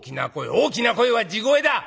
「大きな声は地声だ！